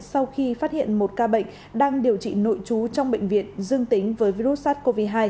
sau khi phát hiện một ca bệnh đang điều trị nội trú trong bệnh viện dương tính với virus sars cov hai